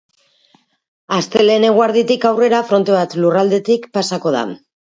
Astelehen eguerditik aurrera fronte bat lurraldetik pasako da.